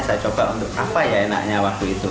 saya coba untuk apa ya enaknya waktu itu